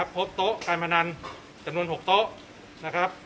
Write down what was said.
พบโต๊ะการพนันจำนวน๖โต๊ะ